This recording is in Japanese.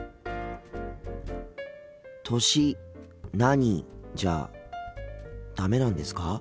「歳何？」じゃダメなんですか？